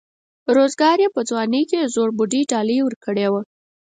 روزګار یې په ځوانۍ کې د زړبودۍ ډالۍ ورکړې وه.